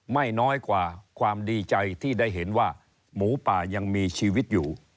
ไม่น้อยกว่าความดีใจที่ได้เห็นว่าหมูป่ายังมีชีวิตอยู่